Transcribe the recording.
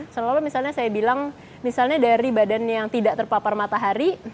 selalu misalnya saya bilang misalnya dari badan yang tidak terpapar matahari